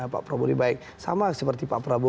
pak prabu ini baik sama seperti pak prabu